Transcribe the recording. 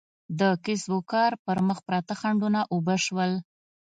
د کسب و کار پر مخ پراته خنډونه اوبه شول.